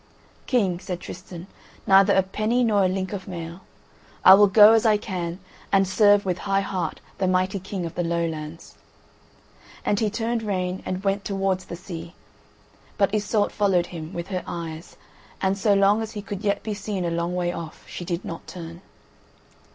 "King," said Tristan, "neither a penny nor a link of mail. I will go as I can, and serve with high heart the mighty King in the Lowlands." And he turned rein and went down towards the sea, but Iseult followed him with her eyes, and so long as he could yet be seen a long way off she did not turn.